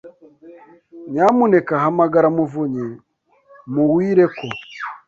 Nyamuneka hamagara muvunyi muwire ko.